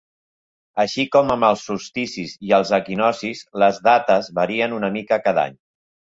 Així com amb els solsticis i els equinoccis, les dates varien una mica cada any.